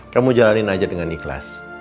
kamu jalanin aja dengan ikhlas